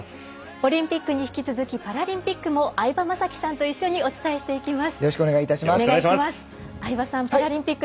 オリンピックに引き続きパラリンピックも相葉雅紀さんと一緒にお伝えしていきます。